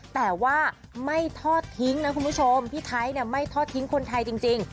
แต่ว่าไม่ทอดทิ้งนะคุณผู้ชมพี่ไทยไม่ทอดทิ้งคนไทยจริง